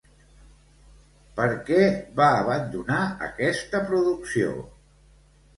Per què va abandonar aquesta producció?